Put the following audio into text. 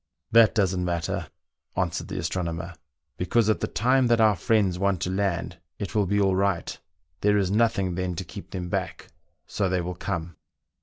" That doesn't matter," answered the astronomer, " be cause at the time that our friends want to land it will be all right. There is nothing then to keep them back, so they will come."